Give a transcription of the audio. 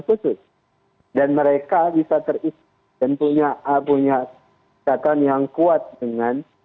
susus dan mereka bisa terik dan punya kekuatan yang kuat dengan